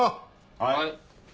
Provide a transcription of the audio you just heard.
はい。